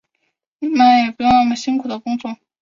你妈妈也不用那么辛苦的工作